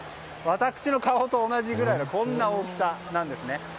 私の顔と同じぐらいの大きさなんですね。